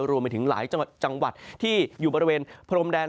รวมไปถึงหลายจังหวัดที่อยู่บริเวณพรมแดน